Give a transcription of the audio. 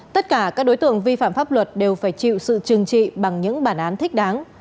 tất cả các đối tượng vi phạm pháp luật đều phải chịu sự trừng trị bằng những bản án thích đáng